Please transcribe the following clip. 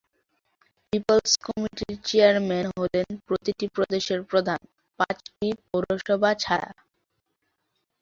People's কমিটির chairman হলেন প্রতিটি প্রদেশের প্রধান, পাঁচটি পৌরসভা ছাড়া।